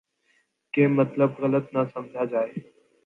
کہ مطلب غلط نہ سمجھا جائے۔